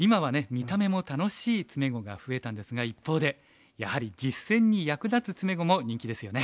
見た目も楽しい詰碁が増えたんですが一方でやはり実戦に役立つ詰碁も人気ですよね。